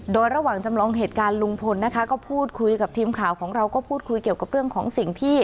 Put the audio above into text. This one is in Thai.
โดยระหว่างจำลองเหตุการณ์ลุงพลนะคะก็พูดคุยกับทีมข่าวของเราก็พูดคุยเกี่ยวกับเรื่องของสิ่งที่